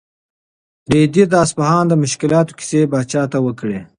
رېدي د اصفهان د مشکلاتو کیسې پاچا ته وکړې.